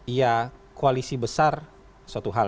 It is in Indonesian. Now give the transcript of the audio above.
iya koalisi besar suatu hal